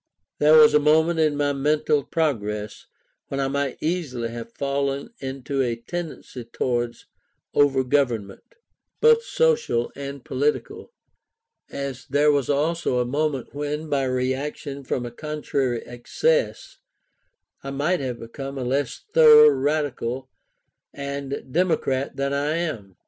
There was a moment in my mental progress when I might easily have fallen into a tendency towards over government, both social and political; as there was also a moment when, by reaction from a contrary excess, I might have become a less thorough radical and democrat than I am.